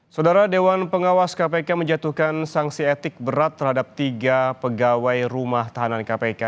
saudara dewan pengawas kpk menjatuhkan sanksi etik berat terhadap tiga pegawai rumah tahanan kpk